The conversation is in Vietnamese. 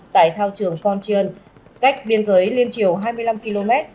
tại thao trường con chuyên cách biên giới liên chiều hai mươi năm km